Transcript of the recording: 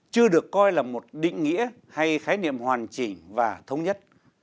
chưa được coi là một định nghĩa hay khái niệm hoàn chỉnh và thống nhất